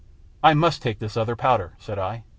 " I must take this other powder," said I.